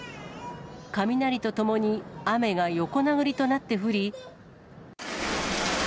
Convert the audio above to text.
雷とともに雨が横殴りとなって降り。